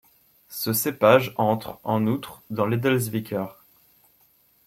Ce cépage entre en outre dans l’edelzwicker.